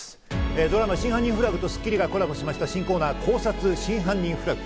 ドラマ『真犯人フラグ』と『スッキリ』がコラボしました新コーナー「考察！真犯人フラグ」。